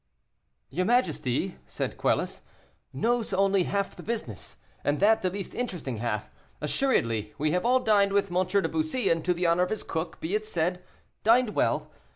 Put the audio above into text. "Your majesty," said Quelus, "knows only half the business, and that the least interesting half. Assuredly, we have all dined with M. de Bussy, and to the honor of his cook, be it said, dined well.